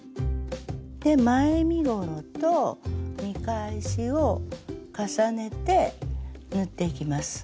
で前身ごろと見返しを重ねて縫っていきます。